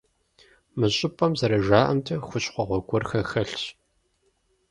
Мы щӀыпӀэм, зэрыжаӀэмкӀэ, хущхъуэгъуэ гуэрхэр хэлъщ.